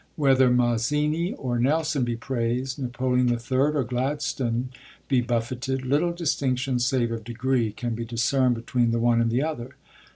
Whether Mazzini or Nelson be praised, Napoleon III. or Gladstone be buffeted, little distinction, save of degree, can be discerned between the one and the other.